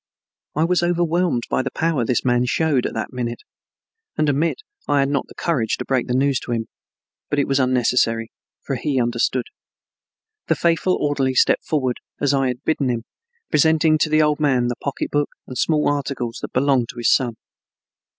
I was overwhelmed by the power this man showed at that minute, and admit I had not the courage to break the news to him, but it was unnecessary, for he understood. The faithful orderly stepped forward, as I had bidden him, presenting to the old man the pocketbook and small articles that belonged to his son.